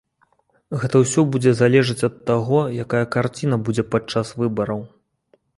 Гэта ўсё будзе залежаць ад таго, якая карціна будзе падчас выбараў.